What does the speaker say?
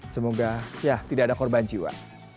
semoga ya tidak ada korban jiwa